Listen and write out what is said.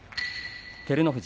照ノ富士。